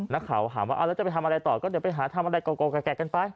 นักข่าวถามว่าเอาแล้วจะไปทำอะไรต่อก็เดี๋ยวไปหาทำอะไรเก่ากันไป